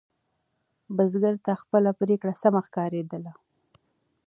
بزګر ته خپله پرېکړه سمه ښکارېدله.